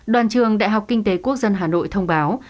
đoàn trường đại học kinh tế quốc dân hà nội thông báo